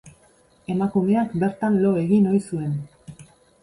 Emakumeak bertan lo egin ohi zuen.